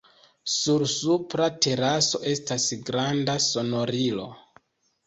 Sur supra teraso estas granda sonorilo.